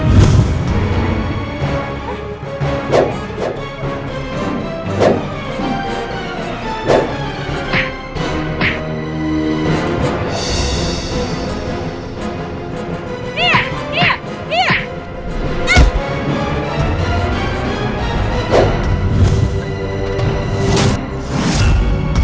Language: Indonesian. idol para pengabdisan